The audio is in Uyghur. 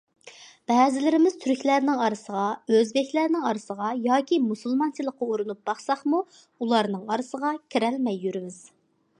بەزىلىرىمىز تۈركلەرنىڭ ئارىسىغا، ئۆزبېكلەرنىڭ ئارىسىغا ياكى مۇسۇلمانچىلىققا ئۇرۇنۇپ باقساقمۇ ئۇلارنىڭ ئارىسىغا كىرەلمەي يۈرىمىز.